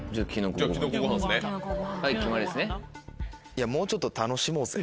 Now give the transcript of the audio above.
いやもうちょっと楽しもうぜ。